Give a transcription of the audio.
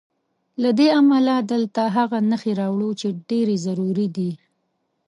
له دې امله دلته هغه نښې راوړو چې ډېرې ضروري دي.